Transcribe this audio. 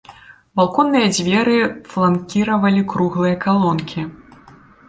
Балконныя дзверы фланкіравалі круглыя калонкі.